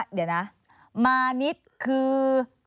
เดี๋ยวนะมานิดคือ